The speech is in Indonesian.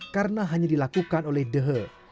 karena hanya dilakukan oleh dehe